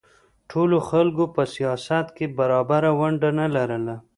ټولو خلکو په سیاست کې برابره ونډه نه لرله